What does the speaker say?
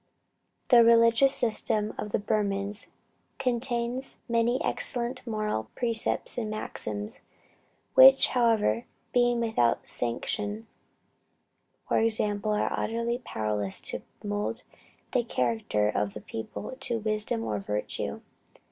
The religious system of the Burmans contains many excellent moral precepts and maxims, which, however being without sanction or example, are utterly powerless to mould the character of the people to wisdom or virtue.